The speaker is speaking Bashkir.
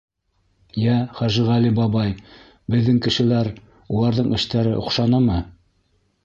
— Йә, Хәжеғәли бабай, беҙҙең кешеләр, уларҙың эштәре оҡшанымы?